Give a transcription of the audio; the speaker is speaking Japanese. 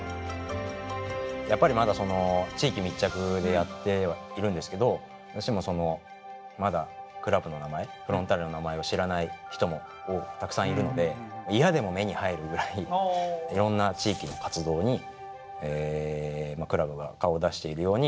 やっぱりまだその地域密着でやってはいるんですけどどうしてもまだクラブの名前フロンターレの名前を知らない人もたくさんいるのでいろんな地域の活動にクラブが顔をだしているように。